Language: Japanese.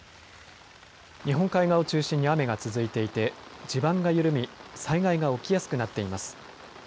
日本海側を中心に雨が続いていて、地盤が緩み、災害が起きやすくなっています。